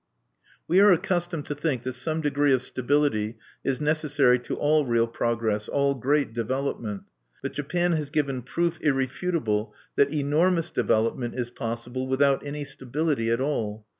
We are accustomed to think that some degree of stability is necessary to all real progress, all great development. But Japan has given proof irrefutable that enormous development is possible without any stability at all.